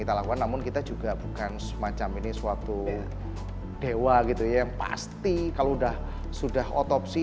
kita lakukan namun kita juga bukan semacam ini suatu dewa gitu ya yang pasti kalau udah sudah otopsi